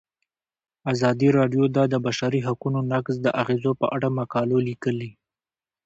ازادي راډیو د د بشري حقونو نقض د اغیزو په اړه مقالو لیکلي.